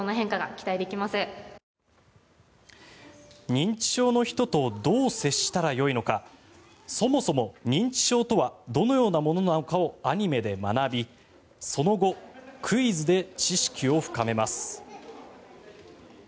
認知症の人とどう接したらよいのかそもそも認知症とはどのようなものなのかをアニメで学び、その後クイズで知識を深めます。